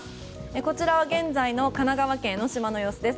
こちらは現在の神奈川県江の島の様子です。